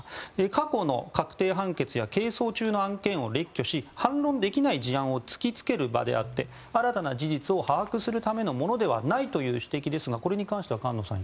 過去の確定判決や係争中の案件を列挙し反論できない事案を突き付ける場であって新たな事実を把握するためのものではないという指摘ですがこれに関しては菅野さん